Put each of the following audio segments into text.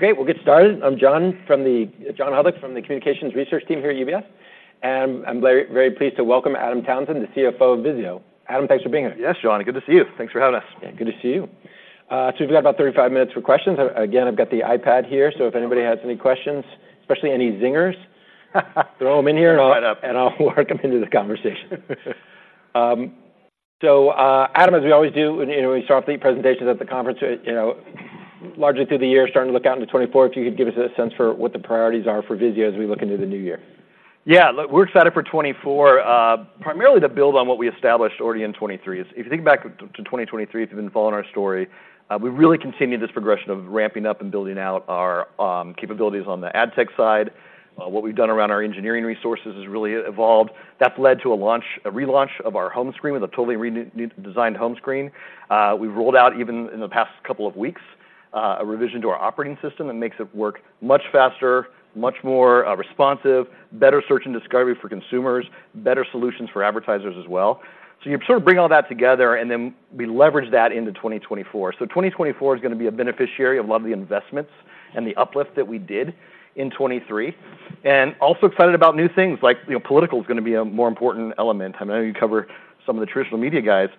Great, we'll get started. I'm John Hodulik from the Communications Research team here at UBS, and I'm very, very pleased to welcome Adam Townsend, the CFO of VIZIO. Adam, thanks for being here. Yes, John, good to see you. Thanks for having us. Yeah, good to see you. So we've got about 35 minutes for questions. Again, I've got the iPad here, so if anybody has any questions, especially any zingers, throw them in here- Right up and I'll work them into the conversation. So, Adam, as we always do when, you know, we start off the presentations at the conference, you know, largely through the year, starting to look out into 2024, if you could give us a sense for what the priorities are for VIZIO as we look into the new year. Yeah, look, we're excited for 2024, primarily to build on what we established already in 2023. If you think back to 2023, if you've been following our story, we really continued this progression of ramping up and building out our capabilities on the ad tech side. What we've done around our engineering resources has really evolved. That's led to a relaunch of our home screen with a totally redesigned home screen. We've rolled out, even in the past couple of weeks, a revision to our operating system that makes it work much faster, much more responsive, better search and discovery for consumers, better solutions for advertisers as well. So you sort of bring all that together, and then we leverage that into 2024. So 2024 is gonna be a beneficiary of a lot of the investments and the uplift that we did in 2023. Also excited about new things, like, you know, political is gonna be a more important element. I know you cover some of the traditional media guys.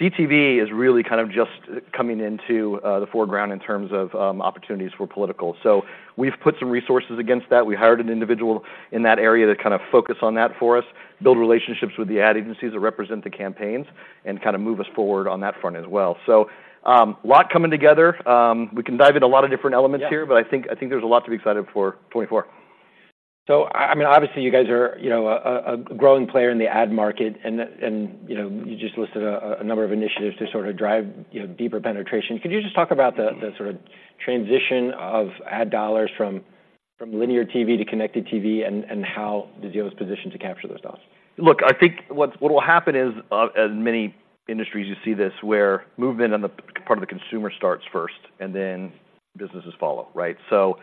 CTV is really kind of just coming into the foreground in terms of opportunities for political. So we've put some resources against that. We hired an individual in that area to kind of focus on that for us, build relationships with the ad agencies that represent the campaigns, and kind of move us forward on that front as well. So a lot coming together. We can dive into a lot of different elements here- Yeah. But I think, I think there's a lot to be excited for 2024. So, I mean, obviously, you guys are, you know, a growing player in the ad market, and, you know, you just listed a number of initiatives to sort of drive, you know, deeper penetration. Could you just talk about the sort of transition of ad dollars from linear TV to connected TV and how VIZIO is positioned to capture those dollars? Look, I think what will happen is, in many industries, you see this, where movement on the part of the consumer starts first, and then businesses follow, right? So,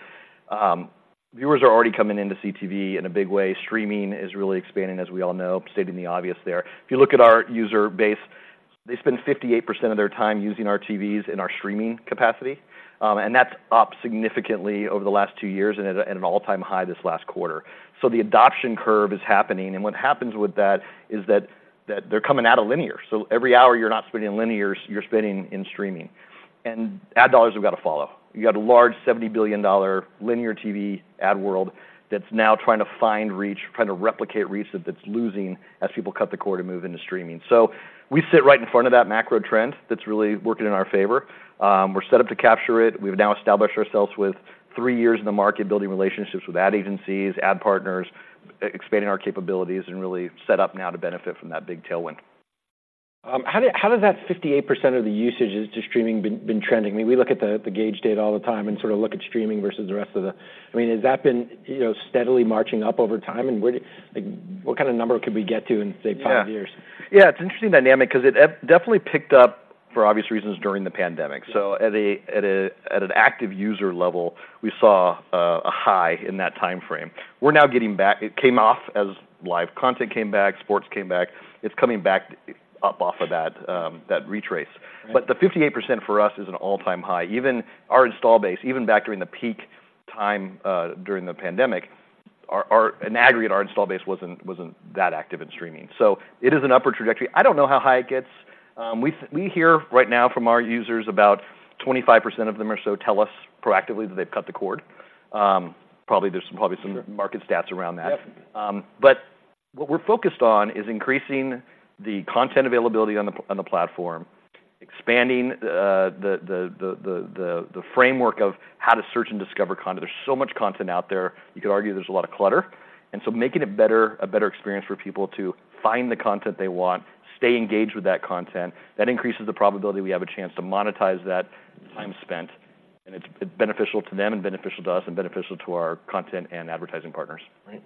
viewers are already coming into CTV in a big way. Streaming is really expanding, as we all know. Stating the obvious there. If you look at our user base, they spend 58% of their time using our TVs in our streaming capacity, and that's up significantly over the last two years and at an all-time high this last quarter. So the adoption curve is happening, and what happens with that is that they're coming out of linear. So every hour you're not spending in linear, you're spending in streaming. And ad dollars have got to follow. You got a large $70 billion linear TV ad world that's now trying to find reach, trying to replicate reach that's losing as people cut the cord and move into streaming. So we sit right in front of that macro trend that's really working in our favor. We're set up to capture it. We've now established ourselves with three years in the market, building relationships with ad agencies, ad partners, expanding our capabilities, and really set up now to benefit from that big tailwind. How does that 58% of the usages to streaming been trending? I mean, we look at The Gauge data all the time and sort of look at streaming versus the rest of the... I mean, has that been, you know, steadily marching up over time, and like, what kind of number could we get to in, say, five years? Yeah. Yeah, it's an interesting dynamic because it definitely picked up, for obvious reasons, during the pandemic. Yeah. So at an active user level, we saw a high in that timeframe. We're now getting back. It came off as live content came back, sports came back. It's coming back up off of that retrace. Right. But the 58% for us is an all-time high. Even our install base, even back during the peak time during the pandemic, in aggregate, our install base wasn't that active in streaming, so it is an upward trajectory. I don't know how high it gets. We hear right now from our users, about 25% of them or so tell us proactively that they've cut the cord. Probably there's some- probably some- Sure... market stats around that. Yep. But what we're focused on is increasing the content availability on the platform, expanding the framework of how to search and discover content. There's so much content out there. You could argue there's a lot of clutter, and so making it a better experience for people to find the content they want, stay engaged with that content, that increases the probability we have a chance to monetize that time spent, and it's beneficial to them, and beneficial to us, and beneficial to our content and advertising partners. Right.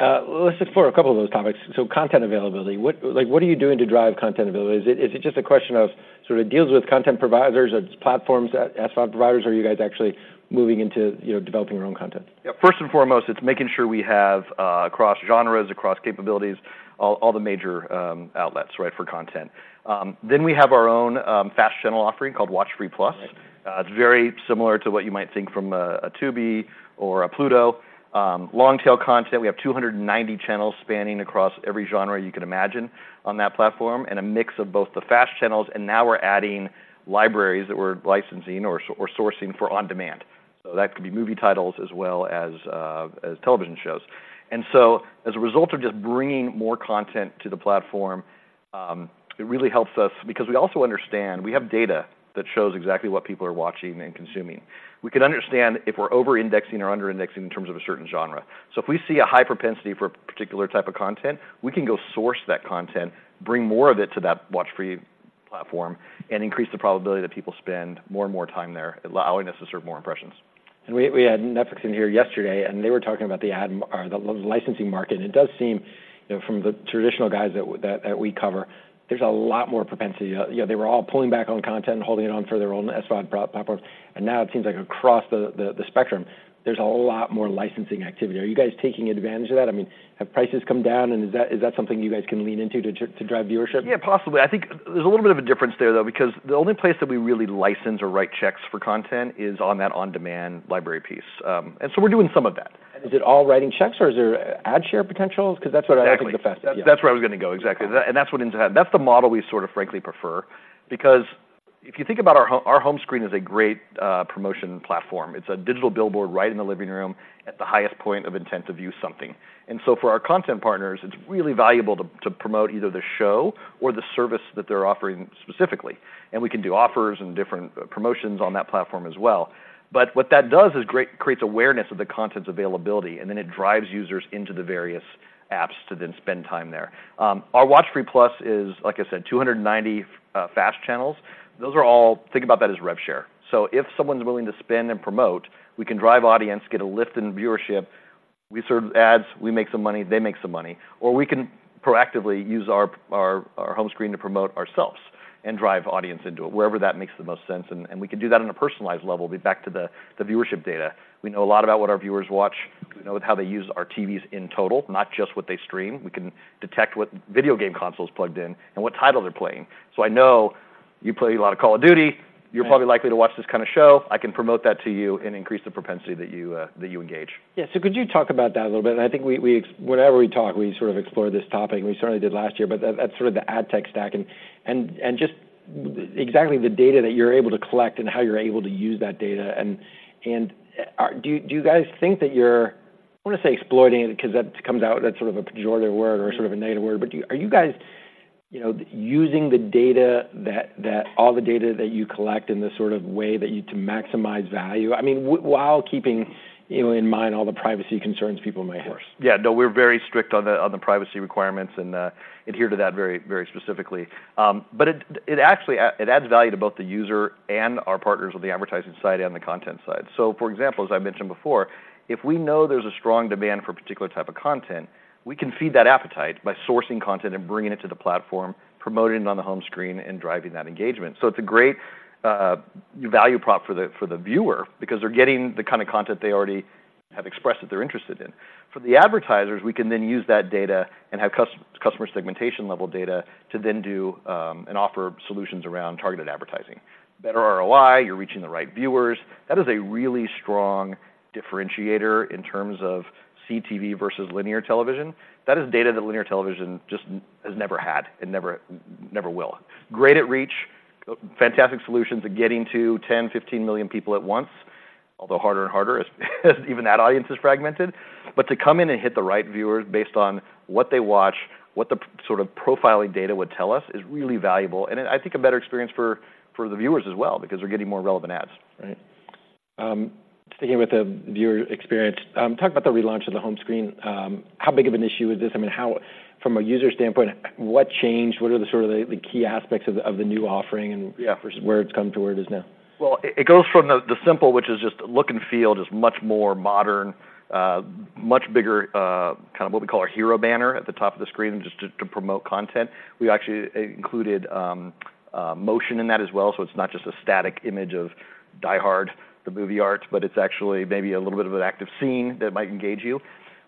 Let's explore a couple of those topics. So content availability, what are you doing to drive content availability? Is it just a question of sort of deals with content providers or platforms, SVOD providers, or are you guys actually moving into, you know, developing your own content? Yeah. First and foremost, it's making sure we have across genres, across capabilities, all the major outlets, right, for content. Then we have our own fast channel offering called WatchFree+. Right. It's very similar to what you might think from a Tubi or a Pluto. Long-tail content, we have 290 channels spanning across every genre you can imagine on that platform, and a mix of both the FAST channels, and now we're adding libraries that we're licensing or sourcing for on-demand. So that could be movie titles as well as television shows. And so as a result of just bringing more content to the platform, it really helps us because we also understand, we have data that shows exactly what people are watching and consuming. We can understand if we're over-indexing or under-indexing in terms of a certain genre. So if we see a high propensity for a particular type of content, we can go source that content, bring more of it to that WatchFree+ platform, and increase the probability that people spend more and more time there, allowing us to serve more impressions. And we had Netflix in here yesterday, and they were talking about the ad market or the licensing market, and it does seem, you know, from the traditional guys that we cover, there's a lot more propensity. You know, they were all pulling back on content and holding it on for their own SVOD platforms, and now it seems like across the spectrum, there's a lot more licensing activity. Are you guys taking advantage of that? I mean, have prices come down, and is that something you guys can lean into to drive viewership? Yeah, possibly. I think there's a little bit of a difference there, though, because the only place that we really license or write checks for content is on that on-demand library piece. And so we're doing some of that. Is it all writing checks, or is there ad share potentials? Because that's what I think is fastest. That's where I was gonna go, exactly. Okay. That's the model we sort of frankly prefer, because if you think about our home, our home screen is a great promotion platform. It's a digital billboard right in the living room at the highest point of intent to view something. And so for our content partners, it's really valuable to promote either the show or the service that they're offering specifically. And we can do offers and different promotions on that platform as well. But what that does is creates awareness of the content's availability, and then it drives users into the various apps to then spend time there. Our WatchFree+ is, like I said, 290 FAST channels. Those are all – think about that as rev share. So if someone's willing to spend and promote, we can drive audience, get a lift in viewership. We serve ads, we make some money, they make some money, or we can proactively use our home screen to promote ourselves and drive audience into it, wherever that makes the most sense. And we can do that on a personalized level. We're back to the viewership data. We know a lot about what our viewers watch. We know how they use our TVs in total, not just what they stream. We can detect what video game console is plugged in and what title they're playing. So I know you play a lot of Call of Duty. Right. You're probably likely to watch this kind of show. I can promote that to you and increase the propensity that you, that you engage. Yeah. So could you talk about that a little bit? I think whenever we talk, we sort of explore this topic, and we certainly did last year, but that's sort of the ad tech stack and exactly the data that you're able to collect and how you're able to use that data. And do you guys think that you're, I don't wanna say exploiting it, because that comes out as sort of a pejorative word or sort of a negative word, but are you guys, you know, using all the data that you collect in the sort of way that you to maximize value? I mean, while keeping, you know, in mind all the privacy concerns people might have. Of course. Yeah, no, we're very strict on the privacy requirements and adhere to that very, very specifically. But it actually adds value to both the user and our partners on the advertising side and the content side. So for example, as I mentioned before, if we know there's a strong demand for a particular type of content, we can feed that appetite by sourcing content and bringing it to the platform, promoting it on the home screen, and driving that engagement. So it's a great value prop for the viewer because they're getting the kind of content they already have expressed that they're interested in. For the advertisers, we can then use that data and have customer segmentation-level data to then do and offer solutions around targeted advertising. Better ROI, you're reaching the right viewers. That is a really strong differentiator in terms of CTV versus linear television. That is data that linear television just has never had and never, never will. Great at reach, fantastic solutions at getting to 10, 15 million people at once, although harder and harder as even that audience is fragmented. But to come in and hit the right viewers based on what they watch, what the sort of profiling data would tell us, is really valuable, and I think a better experience for the viewers as well, because they're getting more relevant ads. Right. Sticking with the viewer experience, talk about the relaunch of the home screen. How big of an issue is this? I mean, how, from a user standpoint, what changed? What are the sort of key aspects of the new offering and- Yeah where it's come to where it is now? Well, it goes from the simple, which is just look and feel, just much more modern, much bigger, kind of what we call our hero banner at the top of the screen, just to promote content. We actually included motion in that as well, so it's not just a static image of Die Hard, the movie art, but it's actually maybe a little bit of an active scene that might engage you.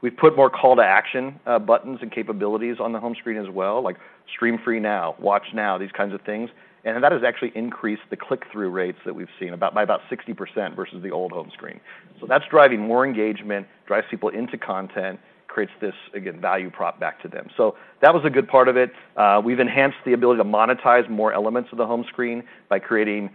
We've put more call to action buttons and capabilities on the home screen as well, like, "Stream free now, watch now," these kinds of things. And that has actually increased the click-through rates that we've seen by about 60% versus the old home screen. So that's driving more engagement, drives people into content, creates this, again, value prop back to them. So that was a good part of it. We've enhanced the ability to monetize more elements of the home screen by creating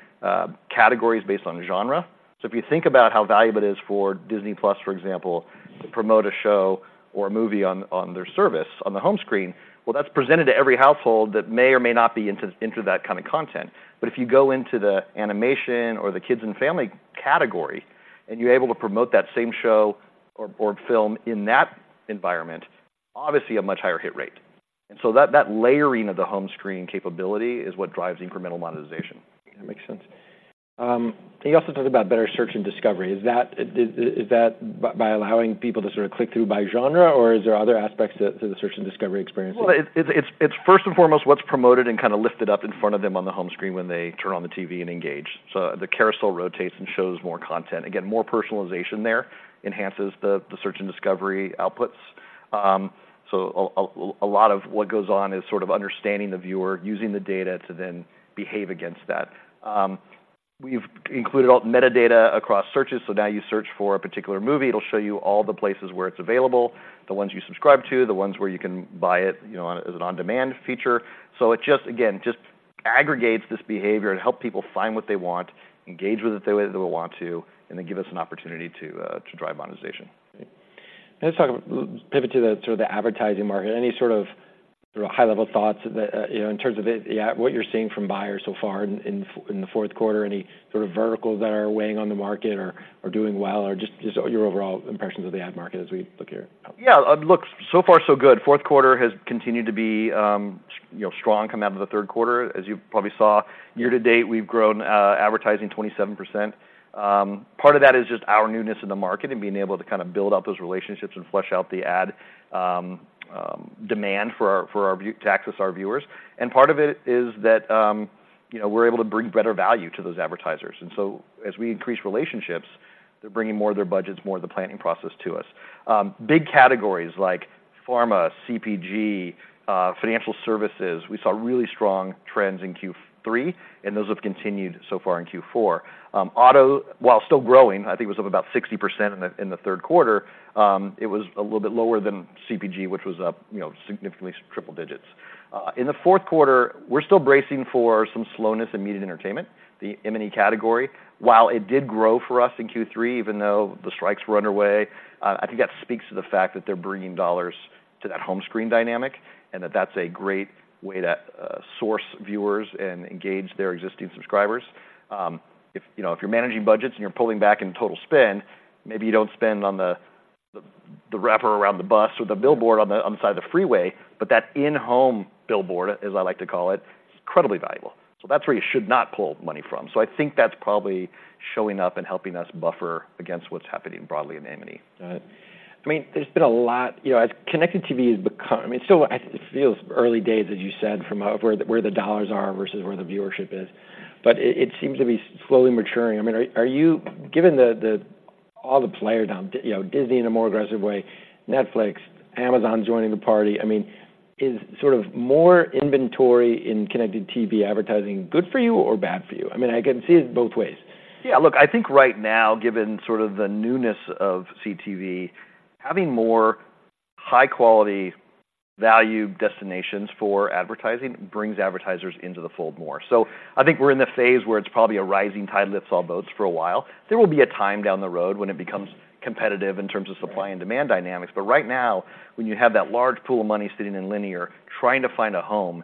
categories based on genre. So if you think about how valuable it is for Disney+, for example, to promote a show or a movie on their service, on the home screen, well, that's presented to every household that may or may not be into that kind of content. But if you go into the animation or the kids and family category, and you're able to promote that same show or film in that environment, obviously, a much higher hit rate. And so that layering of the home screen capability is what drives incremental monetization. That makes sense. You also talked about better search and discovery. Is that by allowing people to sort of click through by genre, or is there other aspects to the search and discovery experience? Well, it's first and foremost what's promoted and kind of lifted up in front of them on the home screen when they turn on the TV and engage. So the carousel rotates and shows more content. Again, more personalization there enhances the search and discovery outputs. So a lot of what goes on is sort of understanding the viewer, using the data to then behave against that. We've included all the metadata across searches, so now you search for a particular movie, it'll show you all the places where it's available, the ones you subscribe to, the ones where you can buy it, you know, on- as an on-demand feature. So it just, again, just aggregates this behavior and help people find what they want, engage with it the way that they want to, and then give us an opportunity to drive monetization. Great. Let's talk about... Pivot to the sort of advertising market. Any sort of high-level thoughts that, you know, in terms of what you're seeing from buyers so far in the fourth quarter? Any sort of verticals that are weighing on the market or doing well, or just your overall impressions of the ad market as we look here? Yeah, look, so far so good. Fourth quarter has continued to be, you know, strong coming out of the third quarter, as you probably saw. Year to date, we've grown advertising 27%. Part of that is just our newness in the market and being able to kind of build out those relationships and flesh out the ad demand to access our viewers. And part of it is that, you know, we're able to bring better value to those advertisers. And so as we increase relationships, they're bringing more of their budgets, more of the planning process to us. Big categories like pharma, CPG, financial services, we saw really strong trends in Q3, and those have continued so far in Q4. Auto, while still growing, I think it was up about 60% in the third quarter, it was a little bit lower than CPG, which was up, you know, significantly triple digits. In the fourth quarter, we're still bracing for some slowness in media and entertainment, the M&E category. While it did grow for us in Q3, even though the strikes were underway, I think that speaks to the fact that they're bringing dollars to that home screen dynamic, and that that's a great way to source viewers and engage their existing subscribers. If, you know, if you're managing budgets and you're pulling back in total spend, maybe you don't spend on the wrapper around the bus or the billboard on the side of the freeway, but that in-home billboard, as I like to call it, is incredibly valuable. So that's where you should not pull money from. So I think that's probably showing up and helping us buffer against what's happening broadly in M&E. Got it. I mean, there's been a lot, you know, as connected TV has become. I mean, so I think it feels early days, as you said, from where the dollars are versus where the viewership is, but it seems to be slowly maturing. I mean, are you, given all the players now, you know, Disney in a more aggressive way, Netflix, Amazon joining the party, I mean, is sort of more inventory in connected TV advertising good for you or bad for you? I mean, I can see it both ways. Yeah, look, I think right now, given sort of the newness of CTV, having more high-quality, value destinations for advertising brings advertisers into the fold more. So I think we're in the phase where it's probably a rising tide lifts all boats for a while. There will be a time down the road when it becomes competitive in terms of supply and demand dynamics, but right now, when you have that large pool of money sitting in linear, trying to find a home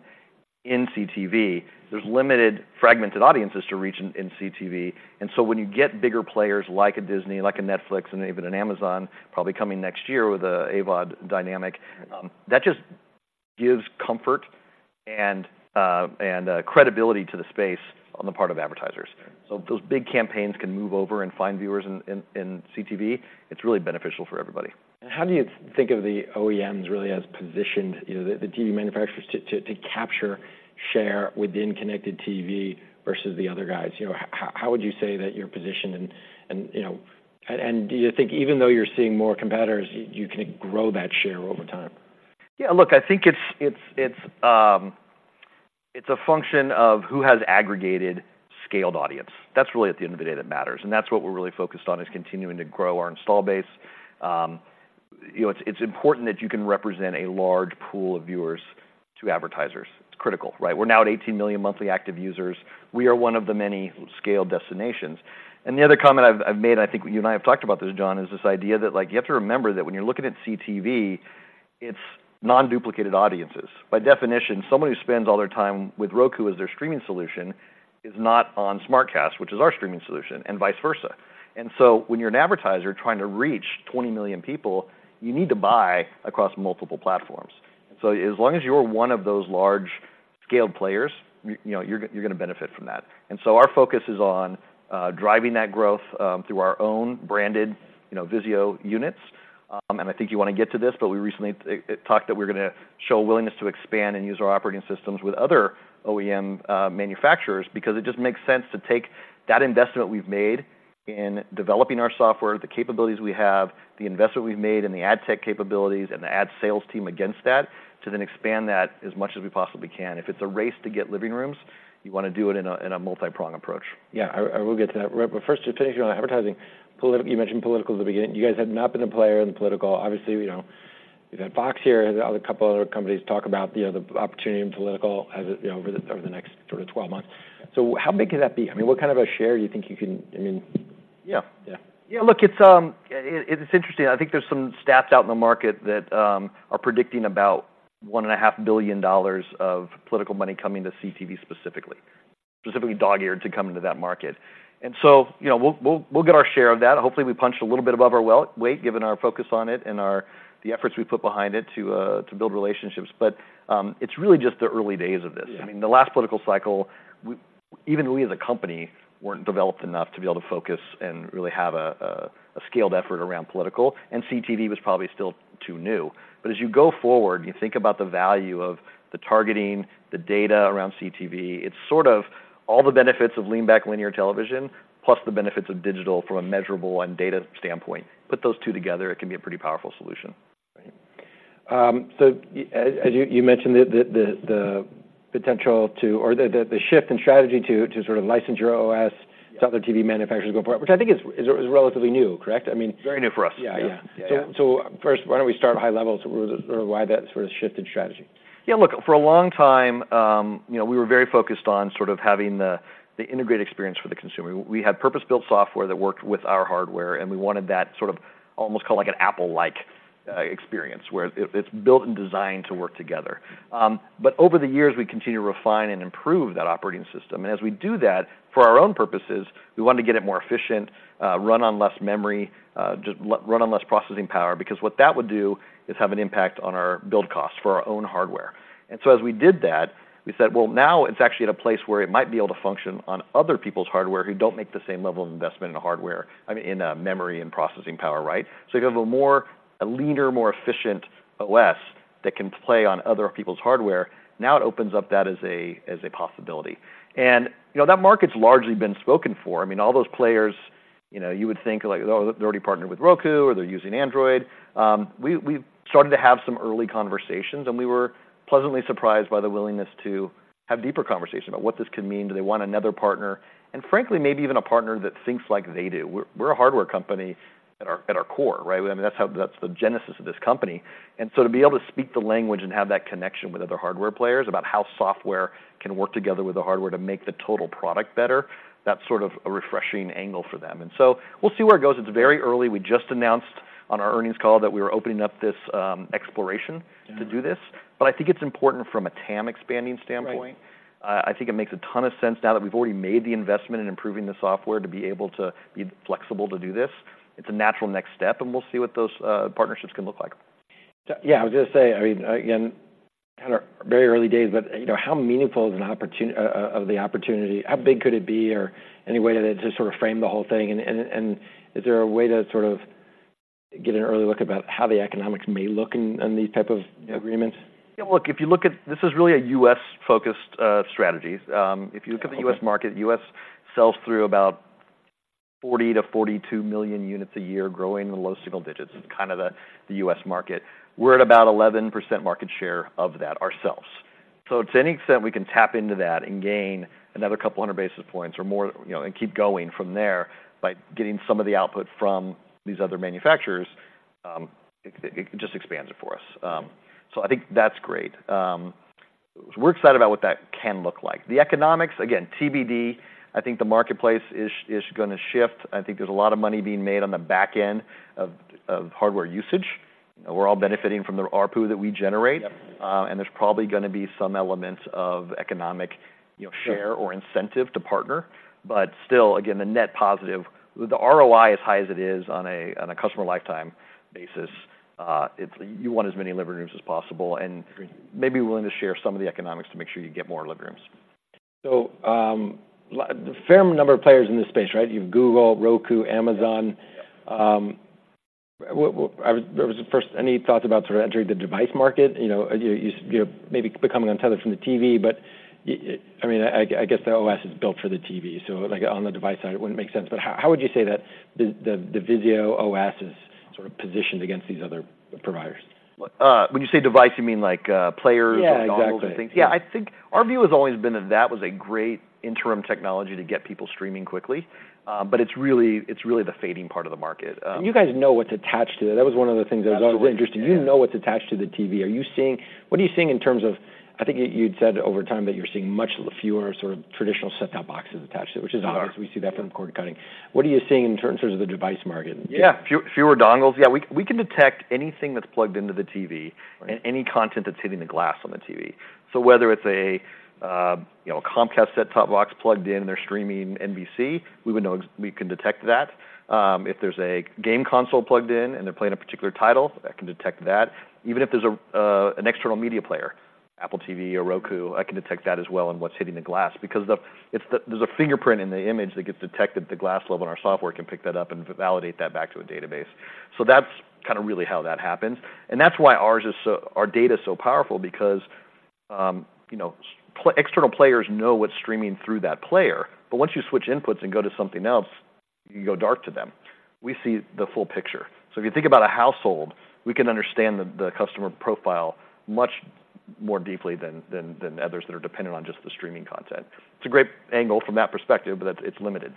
in CTV, there's limited fragmented audiences to reach in CTV. And so when you get bigger players like a Disney, like a Netflix, and even an Amazon, probably coming next year with a AVOD dynamic, that just gives comfort and credibility to the space on the part of advertisers. Right. If those big campaigns can move over and find viewers in CTV, it's really beneficial for everybody. How do you think of the OEMs, really, as positioned, you know, the TV manufacturers to capture share within connected TV versus the other guys? You know, how would you say that you're positioned? And you know, do you think even though you're seeing more competitors, you can grow that share over time? Yeah, look, I think it's a function of who has aggregated scaled audience. That's really, at the end of the day, that matters. And that's what we're really focused on, is continuing to grow our install base. You know, it's important that you can represent a large pool of viewers to advertisers. It's critical, right? We're now at 18 million monthly active users. We are one of the many scaled destinations. And the other comment I've made, I think you and I have talked about this, John, is this idea that, like, you have to remember that when you're looking at CTV, it's non-duplicated audiences. By definition, someone who spends all their time with Roku as their streaming solution is not on SmartCast, which is our streaming solution, and vice versa. So when you're an advertiser trying to reach 20 million people, you need to buy across multiple platforms. So as long as you're one of those large-scaled players, you know, you're gonna benefit from that. And so our focus is on driving that growth through our own branded, you know, VIZIO units. And I think you wanna get to this, but we recently talked that we're gonna show a willingness to expand and use our operating systems with other OEM manufacturers, because it just makes sense to take that investment we've made in developing our software, the capabilities we have, the investment we've made in the ad tech capabilities and the ad sales team against that, to then expand that as much as we possibly can. If it's a race to get living rooms, you wanna do it in a, in a multipronged approach. Yeah, I will get to that. But first, just finishing on advertising. Political, you mentioned political at the beginning. You guys had not been a player in political. Obviously, you know, we've had Fox here, and a couple of other companies talk about, you know, the opportunity in political as it, you know, over the next sort of twelve months. So how big could that be? I mean, what kind of a share do you think you can... I mean- Yeah. Yeah. Yeah, look, it's interesting. I think there's some stats out in the market that are predicting about $1.5 billion of political money coming to CTV specifically. Specifically earmarked to come into that market. And so, you know, we'll get our share of that. Hopefully, we punch a little bit above our weight, given our focus on it and the efforts we've put behind it to build relationships. But it's really just the early days of this. Yeah. I mean, the last political cycle, even we, as a company, weren't developed enough to be able to focus and really have a scaled effort around political, and CTV was probably still too new. But as you go forward, you think about the value of the targeting, the data around CTV, it's sort of all the benefits of lean-back linear television, plus the benefits of digital from a measurable and data standpoint. Put those two together, it can be a pretty powerful solution. Right. So as you mentioned, the potential to... or the shift in strategy to sort of license your OS- Yeah -to other TV manufacturers going forward, which I think is relatively new, correct? I mean- Very new for us. Yeah, yeah. Yeah. So first, why don't we start at high level, so sort of why that sort of shifted strategy? Yeah, look, for a long time, you know, we were very focused on sort of having the integrated experience for the consumer. We had purpose-built software that worked with our hardware, and we wanted that sort of almost called, like, an Apple-like experience, where it's built and designed to work together. But over the years, we continued to refine and improve that operating system. As we do that, for our own purposes, we wanted to get it more efficient, run on less memory, just run on less processing power, because what that would do is have an impact on our build costs for our own hardware. And so as we did that, we said, "Well, now it's actually at a place where it might be able to function on other people's hardware who don't make the same level of investment in hardware," I mean, in memory and processing power, right? So you have a leaner, more efficient OS that can play on other people's hardware. Now, it opens up that as a possibility. And, you know, that market's largely been spoken for. I mean, all those players you know, you would think, like, oh, they're already partnered with Roku, or they're using Android. We've started to have some early conversations, and we were pleasantly surprised by the willingness to have deeper conversations about what this could mean. Do they want another partner? And frankly, maybe even a partner that thinks like they do. We're a hardware company at our core, right? I mean, that's the genesis of this company. And so to be able to speak the language and have that connection with other hardware players about how software can work together with the hardware to make the total product better, that's sort of a refreshing angle for them. And so we'll see where it goes. It's very early. We just announced on our earnings call that we were opening up this exploration- Mm-hmm to do this, but I think it's important from a TAM expanding standpoint. Right. I think it makes a ton of sense now that we've already made the investment in improving the software, to be able to be flexible to do this. It's a natural next step, and we'll see what those partnerships can look like. So, yeah, I would just say, I mean, again, kind of very early days, but, you know, how meaningful is an opportunity? How big could it be, or any way to just sort of frame the whole thing? And is there a way to sort of get an early look about how the economics may look in these type of agreements? Yeah, look, if you look at... This is really a U.S.-focused strategy. If you look- Okay At the U.S. market, U.S. sells through about 40-42 million units a year, growing in the low single digits. It's kind of the U.S. market. We're at about 11% market share of that ourselves. So to any extent we can tap into that and gain another couple hundred basis points or more, you know, and keep going from there by getting some of the output from these other manufacturers, it just expands it for us. So I think that's great. We're excited about what that can look like. The economics, again, TBD. I think the marketplace is gonna shift. I think there's a lot of money being made on the back end of hardware usage. We're all benefiting from the ARPU that we generate. Yep. and there's probably gonna be some elements of economic, you know- Sure... share or incentive to partner. But still, again, the net positive, with the ROI as high as it is on a customer lifetime basis, it's you want as many living rooms as possible, and- Agreed... may be willing to share some of the economics to make sure you get more living rooms. So, a fair number of players in this space, right? You have Google, Roku, Amazon. Yep. What... any thoughts about sort of entering the device market? You know, you're maybe becoming untethered from the TV, but I mean, I guess the OS is built for the TV, so like, on the device side, it wouldn't make sense. But how would you say that the VIZIO OS is sort of positioned against these other providers? When you say device, you mean like players- Yeah, exactly - and dongles and things? Yeah, I think our view has always been that that was a great interim technology to get people streaming quickly, but it's really, it's really the fading part of the market. You guys know what's attached to that. That was one of the things that was- Absolutely Interesting. You know what's attached to the TV. What are you seeing in terms of... I think you, you'd said over time that you're seeing much fewer sort of traditional set-top boxes attached to it, which is obvious. We are. We see that from cord-cutting. What are you seeing in terms of the device market? Yeah, fewer dongles. Yeah, we can detect anything that's plugged into the TV- Right... and any content that's hitting the glass on the TV. So whether it's a, you know, Comcast set-top box plugged in, they're streaming NBC, we would know we can detect that. If there's a game console plugged in, and they're playing a particular title, I can detect that. Even if there's an external media player, Apple TV or Roku, I can detect that as well and what's hitting the glass because there's a fingerprint in the image that gets detected. The glass level in our software can pick that up and validate that back to a database. So that's kind of really how that happens, and that's why ours is so our data is so powerful because, you know, external players know what's streaming through that player, but once you switch inputs and go to something else, you go dark to them. We see the full picture. So if you think about a household, we can understand the customer profile much more deeply than others that are dependent on just the streaming content. It's a great angle from that perspective, but it's limited.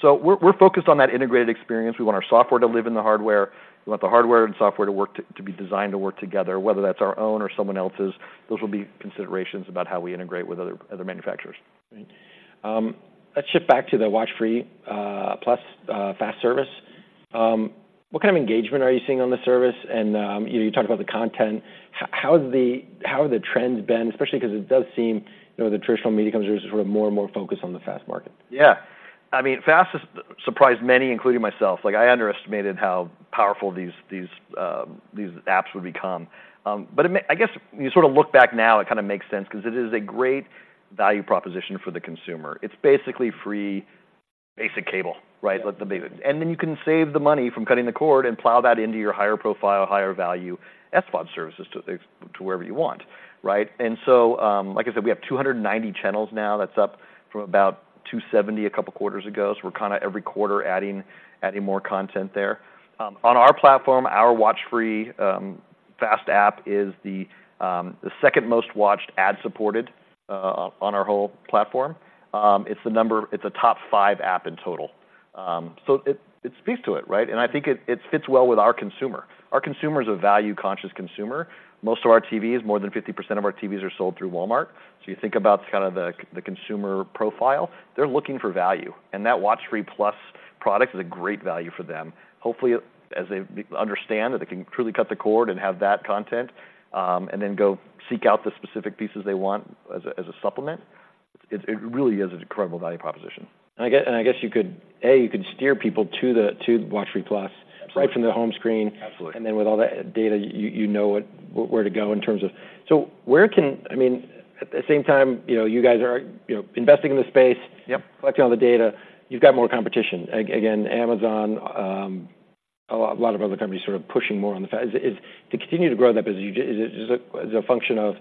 So we're focused on that integrated experience. We want our software to live in the hardware. We want the hardware and software to work to be designed to work together, whether that's our own or someone else's. Those will be considerations about how we integrate with other manufacturers. Right. Let's shift back to the WatchFree+, FAST service. What kind of engagement are you seeing on the service? And, you know, you talked about the content. How are the trends been? Especially because it does seem, you know, the traditional media companies are sort of more and more focused on the FAST market. Yeah. I mean, FAST has surprised many, including myself. Like, I underestimated how powerful these apps would become. But I guess, when you sort of look back now, it kind of makes sense because it is a great value proposition for the consumer. It's basically free basic cable, right? Yep. And then you can save the money from cutting the cord and plow that into your higher profile, higher value SVOD services to, to wherever you want, right? And so, like I said, we have 290 channels now. That's up from about 270 a couple of quarters ago. So we're kind of every quarter adding more content there. On our platform, our WatchFree FAST app is the second most watched ad-supported on our whole platform. It's a top five app in total. So it speaks to it, right? And I think it fits well with our consumer. Our consumer is a value-conscious consumer. Most of our TVs, more than 50% of our TVs are sold through Walmart. So you think about kind of the consumer profile, they're looking for value, and that WatchFree+ product is a great value for them. Hopefully, as they understand that they can truly cut the cord and have that content, and then go seek out the specific pieces they want as a supplement, it really is an incredible value proposition. I guess you could, A, you could steer people to WatchFree+. Absolutely right from the home screen. Absolutely. Then with all that data, you know, where to go in terms of... So where can... I mean, at the same time, you know, you guys are, you know, investing in the space... Yep... collecting all the data. You've got more competition. Again, Amazon, a lot of other companies sort of pushing more on the fact. Is to continue to grow that business, is it as a function of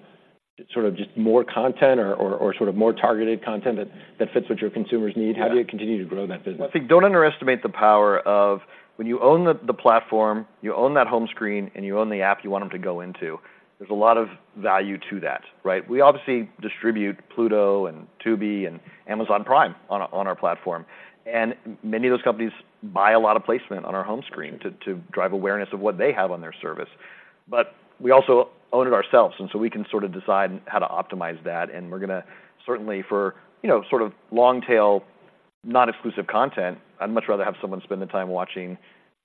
sort of just more content or sort of more targeted content that fits what your consumers need? Yeah. How do you continue to grow that business? I think, don't underestimate the power of when you own the, the platform, you own that home screen, and you own the app you want them to go into, there's a lot of value to that, right? We obviously distribute Pluto and Tubi and Amazon Prime on, on our platform, and many of those companies buy a lot of placement on our home screen to, to drive awareness of what they have on their service. But we also own it ourselves, and so we can sort of decide how to optimize that, and we're gonna certainly for, you know, sort of long tail, not exclusive content, I'd much rather have someone spend the time watching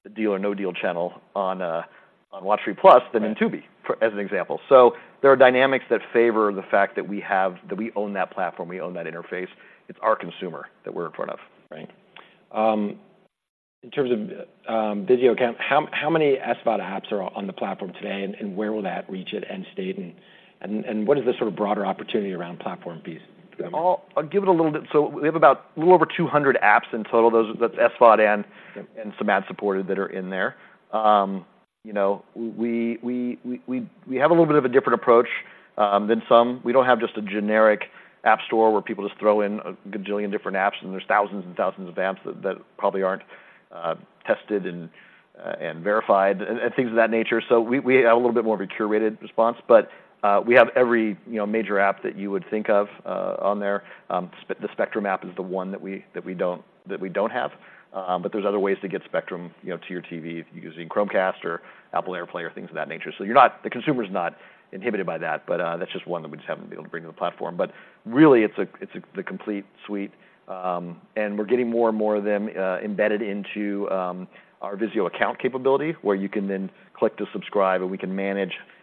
the Deal or No Deal channel on, on WatchFree+- Right than in Tubi, for as an example. So there are dynamics that favor the fact that we own that platform, we own that interface. It's our consumer that we're in front of. Right. In terms of Vizio Account, how many SVOD apps are on the platform today, and where will that reach at end state, and what is the sort of broader opportunity around platform piece? I'll give it a little bit. So we have about a little over 200 apps in total. Those, that's SVOD and- Yep And some ad-supported that are in there. You know, we have a little bit of a different approach than some. We don't have just a generic app store where people just throw in a gajillion different apps, and there's thousands and thousands of apps that probably aren't tested and verified and things of that nature. So we have a little bit more of a curated response, but we have every major app that you would think of on there. The Spectrum app is the one that we don't have. But there's other ways to get Spectrum to your TV using Chromecast or Apple AirPlay or things of that nature. So you're not--the consumer's not inhibited by that, but that's just one that we just haven't been able to bring to the platform. But really, it's the complete suite, and we're getting more and more of them embedded into our VIZIO Account capability, where you can then click to subscribe, and we can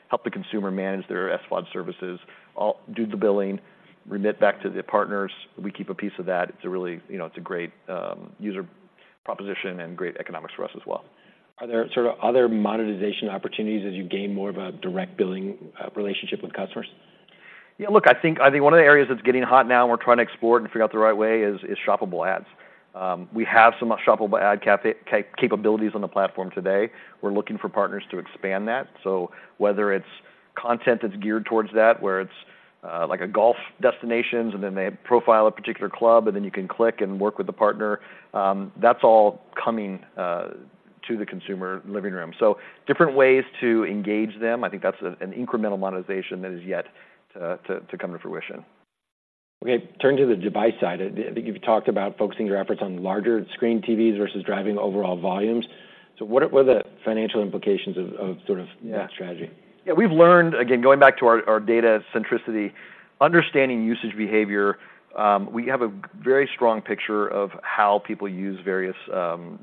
help the consumer manage their SVOD services, do the billing, remit back to the partners. We keep a piece of that. It's a really, you know, it's a great user proposition and great economics for us as well. Are there sort of other monetization opportunities as you gain more of a direct billing relationship with customers? Yeah, look, I think, I think one of the areas that's getting hot now and we're trying to explore it and figure out the right way is shoppable ads. We have some shoppable ad capabilities on the platform today. We're looking for partners to expand that. So whether it's content that's geared towards that, where it's like a golf destinations, and then they profile a particular club, and then you can click and work with a partner, that's all coming to the consumer living room. So different ways to engage them. I think that's an incremental monetization that is yet to come to fruition. Okay, turning to the device side, I think you've talked about focusing your efforts on larger screen TVs versus driving overall volumes. So what are the financial implications of sort of- Yeah - that strategy? Yeah, we've learned, again, going back to our, our data centricity, understanding usage behavior, we have a very strong picture of how people use various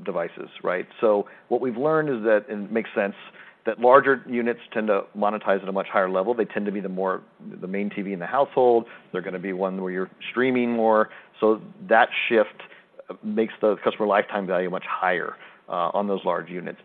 devices, right? So what we've learned is that, and it makes sense, that larger units tend to monetize at a much higher level. They tend to be the more, the main TV in the household. They're gonna be one where you're streaming more. So that shift makes the customer lifetime value much higher on those large units.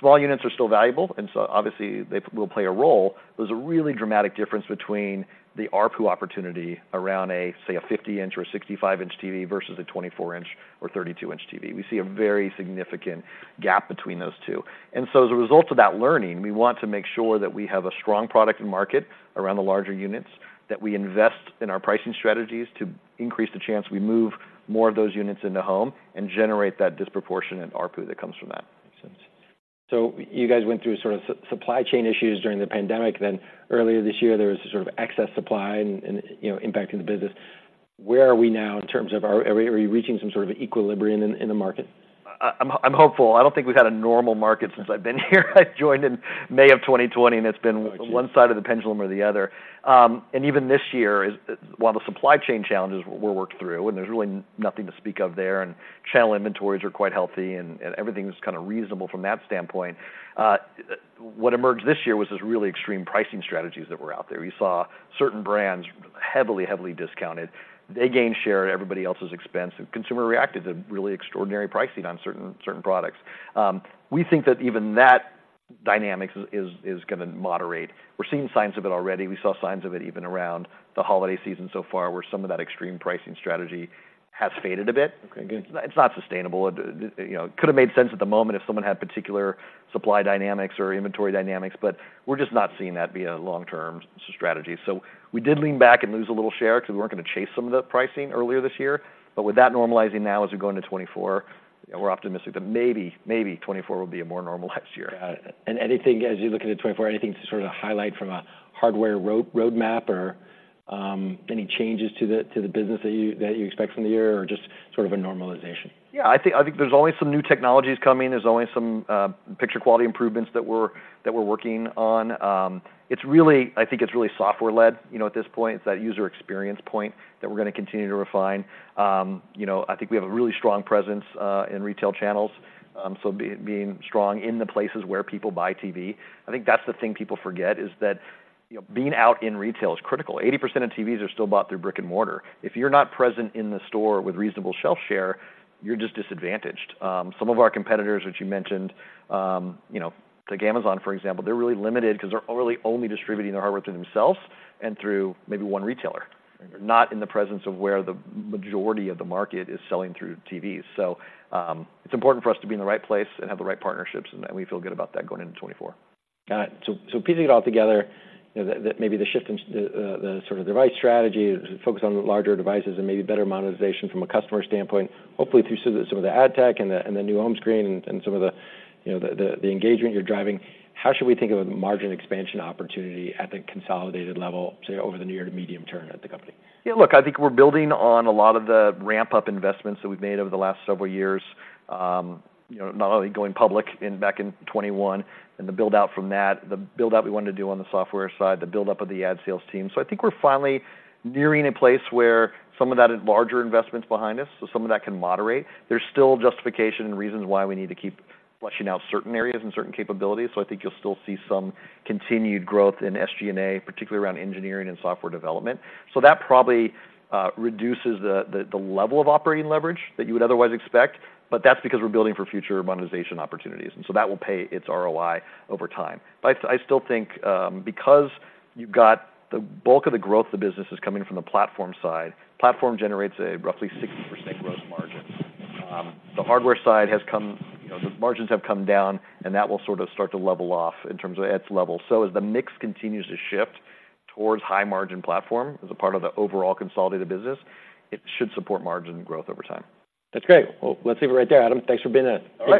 Small units are still valuable, and so obviously, they will play a role. There's a really dramatic difference between the ARPU opportunity around a, say, a 50-inch or a 65-inch TV versus a 24-inch or 32-inch TV. We see a very significant gap between those two. As a result of that learning, we want to make sure that we have a strong product and market around the larger units, that we invest in our pricing strategies to increase the chance we move more of those units in the home, and generate that disproportionate ARPU that comes from that. Makes sense. So you guys went through sort of supply chain issues during the pandemic, then earlier this year, there was a sort of excess supply and, you know, impacting the business. Where are we now in terms of are we reaching some sort of equilibrium in the market? I'm hopeful. I don't think we've had a normal market since I've been here. I joined in May of 2020, and it's been- Got you... one side of the pendulum or the other. And even this year, as, while the supply chain challenges were worked through, and there's really nothing to speak of there, and channel inventories are quite healthy, and, and everything's kinda reasonable from that standpoint, what emerged this year was this really extreme pricing strategies that were out there. We saw certain brands heavily, heavily discounted. They gained share at everybody else's expense, and consumer reacted to really extraordinary pricing on certain, certain products. We think that even that dynamics is, is gonna moderate. We're seeing signs of it already. We saw signs of it even around the holiday season so far, where some of that extreme pricing strategy has faded a bit. Okay, good. It's not sustainable. You know, it could have made sense at the moment if someone had particular supply dynamics or inventory dynamics, but we're just not seeing that be a long-term strategy. So we did lean back and lose a little share because we weren't gonna chase some of the pricing earlier this year. But with that normalizing now as we go into 2024, we're optimistic that maybe, maybe 2024 will be a more normal next year. Got it. And anything, as you look into 2024, anything to sort of highlight from a hardware roadmap or any changes to the business that you expect from the year, or just sort of a normalization? Yeah, I think, I think there's always some new technologies coming. There's always some picture quality improvements that we're, that we're working on. It's really, I think it's really software-led, you know, at this point. It's that user experience point that we're gonna continue to refine. You know, I think we have a really strong presence in retail channels. So being strong in the places where people buy TV. I think that's the thing people forget, is that, you know, being out in retail is critical. 80% of TVs are still bought through brick and mortar. If you're not present in the store with reasonable shelf share, you're just disadvantaged. Some of our competitors, which you mentioned, you know, take Amazon, for example, they're really limited because they're really only distributing their hardware through themselves and through maybe one retailer. They're not in the presence of where the majority of the market is selling through TVs. So, it's important for us to be in the right place and have the right partnerships, and we feel good about that going into 2024. Got it. So, piecing it all together, you know, that maybe the shift in the sort of device strategy, focus on larger devices and maybe better monetization from a customer standpoint, hopefully through some of the ad tech and the new home screen and some of the, you know, the engagement you're driving, how should we think of a margin expansion opportunity at the consolidated level, say, over the near to medium term at the company? Yeah, look, I think we're building on a lot of the ramp-up investments that we've made over the last several years. You know, not only going public in, back in 2021 and the build-out from that, the build-out we wanted to do on the software side, the build-up of the ad sales team. So I think we're finally nearing a place where some of that larger investment's behind us, so some of that can moderate. There's still justification and reasons why we need to keep fleshing out certain areas and certain capabilities, so I think you'll still see some continued growth in SG&A, particularly around engineering and software development. So that probably reduces the, the, the level of operating leverage that you would otherwise expect, but that's because we're building for future monetization opportunities, and so that will pay its ROI over time. But I, I still think, because you've got the bulk of the growth of the business is coming from the platform side, platform generates a roughly 60% gross margin. The hardware side has come, you know, the margins have come down, and that will sort of start to level off in terms of its level. So as the mix continues to shift towards high-margin platform, as a part of the overall consolidated business, it should support margin growth over time. That's great. Well, let's leave it right there, Adam. Thanks for being in. All right.